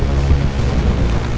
kok bisa ada